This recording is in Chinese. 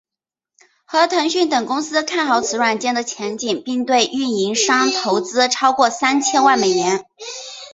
和腾讯等公司看好此软件的前景并对运营商投资超过三千万美元。